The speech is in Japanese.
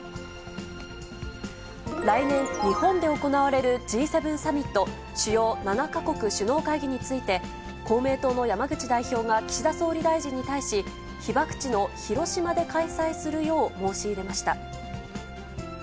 来年、日本で行われるＧ７サミット・主要７か国首脳会議について、公明党の山口代表が岸田総理大臣に対し、被爆地の広島で開催するよう申し入れました。